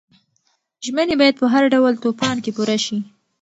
ژمنې باید په هر ډول طوفان کې پوره شي.